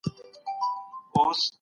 انتقادي روحيه مهمه ده.